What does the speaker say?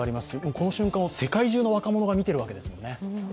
この瞬間を世界中の若者が見てるわけですからね。